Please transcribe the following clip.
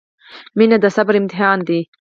• مینه د صبر امتحان دی.